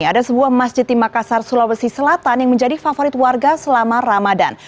ada sebuah masjid di makassar sulawesi selatan yang menjadi favorit warga selama ramadan